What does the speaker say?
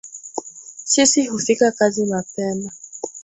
Sisi hufika kazi mapema